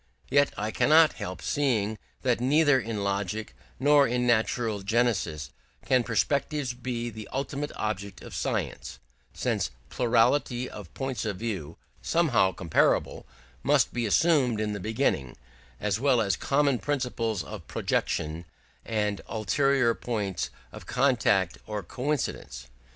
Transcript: Yet I cannot help seeing that neither in logic nor in natural genesis can perspectives be the ultimate object of science, since a plurality of points of view, somehow comparable, must be assumed in the beginning, as well as common principles of projection, and ulterior points of contact or coincidence.